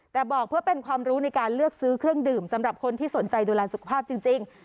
แต่บอกเพื่อเป็นความรู้ในการเลือกซื้อเครื่องดื่มสำหรับคนที่สนใจดูแลสุขภาพจริง